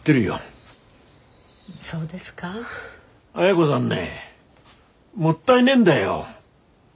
亜哉子さんねもったいねえんだよ。